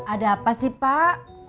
ada apa sih pak